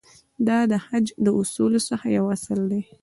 دا د حج اصولو څخه یو اصل دی.